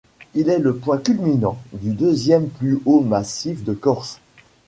Il est le point culminant du deuxième plus haut massif de Corse.